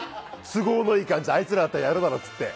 都合のいい感じであいつらだったらやるだろって。